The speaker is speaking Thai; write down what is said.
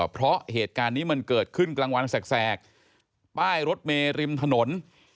เพราะเหตุการณ์นี้มันเกิดขึ้นกลางวันแสกป้ายรถเมริมถนน